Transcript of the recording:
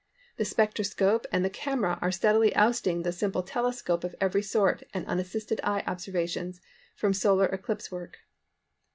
The spectroscope and the camera are steadily ousting the simple telescope of every sort and unassisted eye observations from solar eclipse work.